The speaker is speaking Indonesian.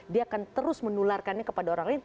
dia akan terus menularkannya kepada orang lain